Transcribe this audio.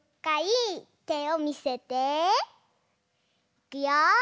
いくよ！